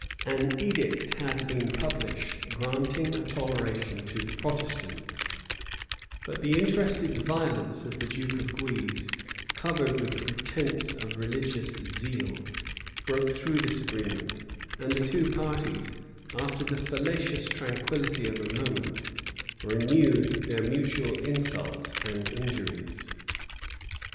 []* Davila, lib. ii. Davila, lib. iii An edict had been published, granting a toleration to the Protestants; but the interested violence of the duke of Guise, covered with the pretence of religious zeal, broke through this agreement; and the two parties, after the fallacious tranquillity of a moment, renewed their mutual insults and injuries.